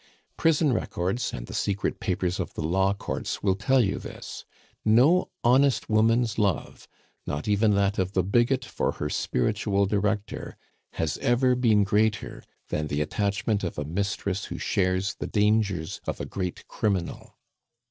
Prison records and the secret papers of the law courts will tell you this; no honest woman's love, not even that of the bigot for her spiritual director, has ever been greater than the attachment of a mistress who shares the dangers of a great criminal.